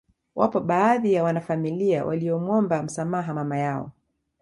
Wapo baadhi ya wanafamilia waliomwomba msamaha mama yao